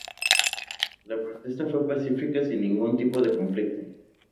La protesta fue pacífica sin ningún tipo de conflicto.